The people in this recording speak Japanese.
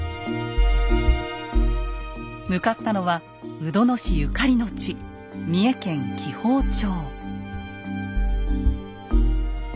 向かったのは鵜殿氏ゆかりの地三重県紀宝町。